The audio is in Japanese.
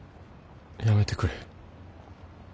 やめてくれ。